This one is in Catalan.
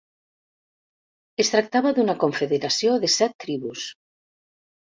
Es tractava d'una confederació de set tribus.